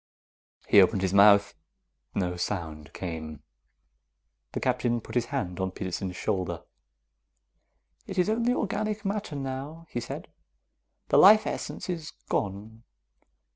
He opened his mouth. No sound came. The Captain put his hand on Peterson's shoulder. "It is only organic matter, now," he said. "The life essence is gone."